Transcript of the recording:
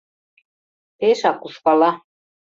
Пешак ушкала.